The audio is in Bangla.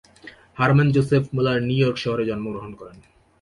Harman Joseph Muller New York শহরে জন্মগ্রহণ করেন।